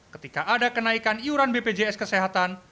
ketika ada kenaikan iuran bpjs kesehatan